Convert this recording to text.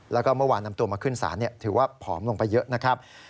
แล้วก็เมื่อวานนำตัวมาขึ้นศาลถือว่าผอมลงไปเยอะนะครับ